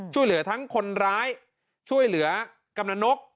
ช่วยเหลือทั้งคนร้ายช่วยเหลือกำนันนก